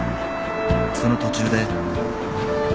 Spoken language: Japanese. ［その途中で］